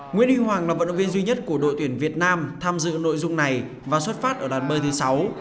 nguyễn huy hoàng là vận động viên duy nhất của đội tuyển việt nam tham dự nội dung này và xuất phát ở đoàn bơi thứ sáu